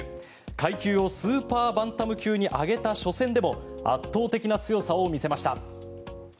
階級をスーパーバンタム級に上げた初戦でも圧倒的な強さを見せました。